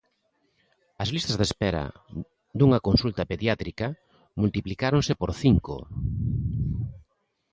As listas de espera dunha consulta pediátrica multiplicáronse por cinco.